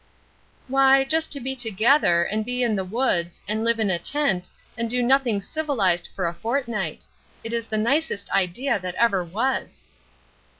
"Why, just to be together, and be in the woods, and live in a tent, and do nothing civilized for a fortnight. It is the nicest idea that ever was."